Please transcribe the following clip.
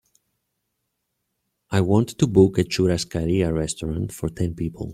I want to book a churrascaria restaurant for ten people.